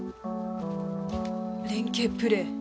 連携プレー。